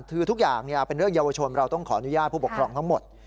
คือทุกอย่างเป็นเรื่องเยาวชนเราต้องขออนุญาตผู้ปกครองทั้งหมด